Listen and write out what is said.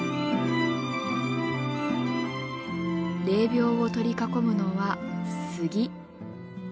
霊廟を取り囲むのはスギ。